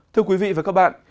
thưa quý vị và các bạn